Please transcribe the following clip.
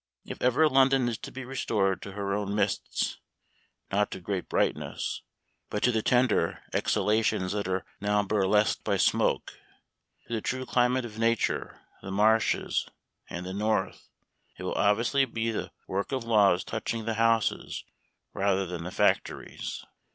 If ever London is to be restored to her own mists not to great brightness, but to the tender exhalations that are now burlesqued by smoke, to the true climate of nature, the marshes, and the north, it will obviously be the work of laws touching the houses rather than the factories.